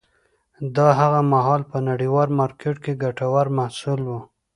دا هغه مهال په نړیوال مارکېت کې ګټور محصول و.